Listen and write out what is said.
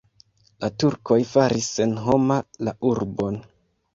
La turkoj faris senhoma la urbon.